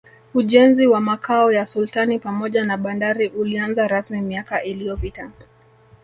Ujenzi wa Makao ya Sultani pamoja na bandari ulianza rasmi miaka iliyopita